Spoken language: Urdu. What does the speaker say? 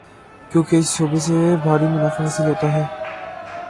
کیونکہ اس شعبے سے بھاری منافع حاصل ہوتا ہے۔